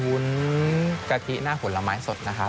วุ้นกะทิหน้าผลไม้สดนะครับ